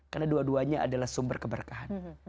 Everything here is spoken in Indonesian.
karena dua duanya adalah sumber keberkahan